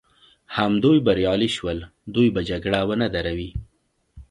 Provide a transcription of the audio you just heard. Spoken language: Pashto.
همدوی بریالي شول، دوی به جګړه ونه دروي.